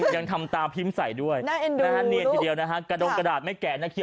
ยังทำตาพิมพ์ใส่ด้วยนะฮะเนียนทีเดียวนะฮะกระดงกระดาษไม่แกะนะ